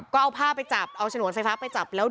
ก็เอาผ้าไปจับเอาฉนวนไฟฟ้าไปจับแล้ว